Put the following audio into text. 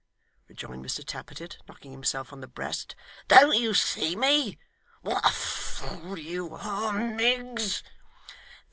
rejoined Mr Tappertit, knocking himself on the breast. 'Don't you see me? What a fool you are, Miggs!